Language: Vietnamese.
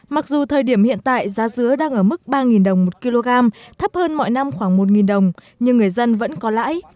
mặc dù thời điểm hiện tại giá dứa đang ở mức ba đồng một kg thấp hơn mọi năm khoảng một đồng nhưng người dân vẫn có lãi